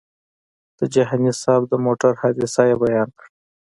د جهاني صاحب د موټر حادثه یې بیان کړه.